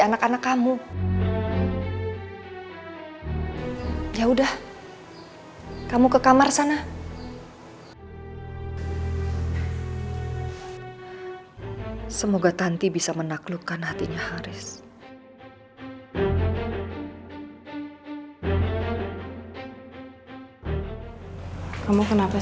anak anak kamu ya udah kamu ke kamar sana semoga tanti bisa menaklukkan hatinya haris kamu kenapa